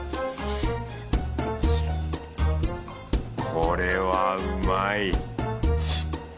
これはうまい